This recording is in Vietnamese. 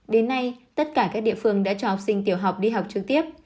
đến nay tất cả các địa phương đã cho học sinh tiểu học đi học trực tiếp